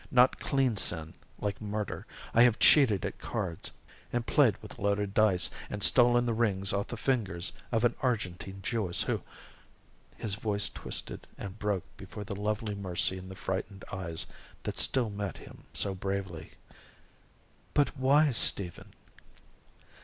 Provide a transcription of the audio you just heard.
Not clean sin, like murder I have cheated at cards, and played with loaded dice, and stolen the rings off the fingers of an Argentine Jewess who " His voice twisted and broke before the lovely mercy in the frightened eyes that still met his so bravely. "But why, Stephen?"